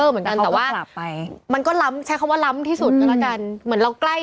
คือภาษณียศมันดีมากคุณแม่